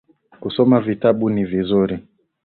Kusoma vitabu ni vizuri